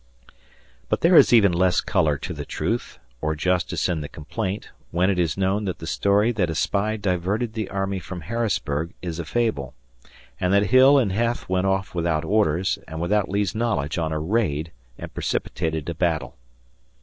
But there is even less color to the truth or justice in the complaint, when it is known that the story that a spy diverted the army from Harrisburg is a fable, and that Hill and Heth went off without orders and without Lee's knowledge on a raid and precipitated a battle.